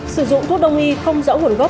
sử dụng thuốc đông y không rõ nguồn gốc